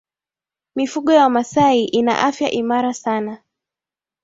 mifugo ya wamasai ina afya imara sana